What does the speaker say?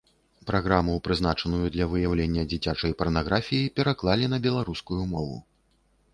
Праграму, прызначаную для выяўлення дзіцячай парнаграфіі, пераклалі на беларускую мову.